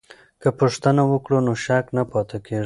که پوښتنه وکړو نو شک نه پاتې کیږي.